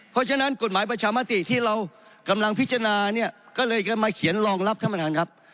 เพราะฉะนั้นกฎหมายประชามติที่เรากำลังพิจารณาเนี่ยก็เลยมาเขียนรองรับท่านประธานครับ